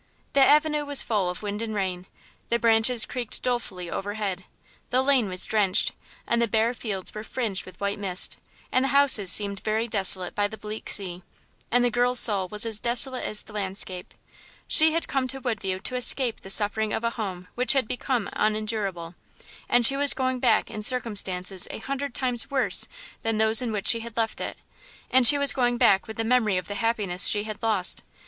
The avenue was full of wind and rain; the branches creaked dolefully overhead; the lane was drenched, and the bare fields were fringed with white mist, and the houses seemed very desolate by the bleak sea; and the girl's soul was desolate as the landscape. She had come to Woodview to escape the suffering of a home which had become unendurable, and she was going back in circumstances a hundred times worse than those in which she had left it, and she was going back with the memory of the happiness she had lost.